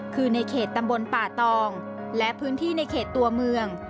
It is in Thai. คือในเขตตำบลป่าตองและพื้นที่ในเขตตัวเมือง